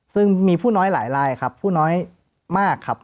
ซึ่งมีผู้น้อยหลายลายครับผู้น้อยมากครับ